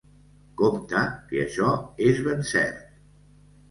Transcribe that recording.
Compta que això és ben cert.